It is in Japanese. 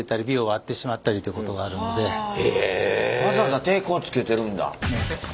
それでわざわざ抵抗つけてるんだ。